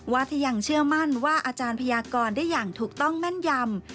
ว่าถ้ายังเชื่อมั่นว่าอาจารย์พยากรได้อย่างถูกต้องแม่นยำ